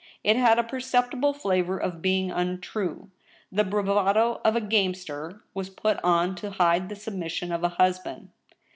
It had a perceptible flavor of being untrue. The bravado of a gamester was put on to hide the submission of a husband.